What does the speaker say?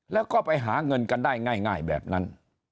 แล้วก็ไปหาเงินกันได้ง่ายแบบนั้น